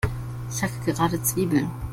Ich hacke gerade Zwiebeln.